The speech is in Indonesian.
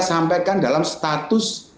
sampaikan dalam status